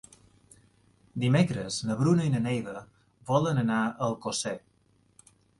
Dimecres na Bruna i na Neida volen anar a Alcosser.